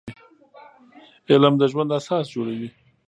علم د ژوند اساس جوړوي